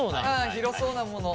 ああ広そうなもの。